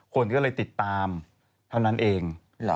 คนก็เลยติดตามเท่านั้นเอง